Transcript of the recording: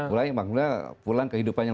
pulang maksudnya pulang ke hidupan yang